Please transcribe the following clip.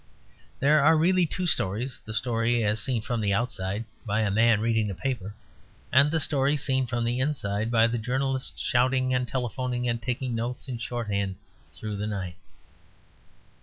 There are really two stories: the story as seen from the outside, by a man reading the paper; and the story seen from the inside, by the journalists shouting and telephoning and taking notes in shorthand through the night.